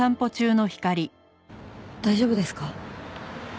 大丈夫ですか？